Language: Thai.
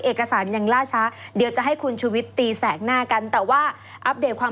เอกสารยังล่าช้าเดียวจะให้คุณชุวิทย์ตีแสงหน้ากัน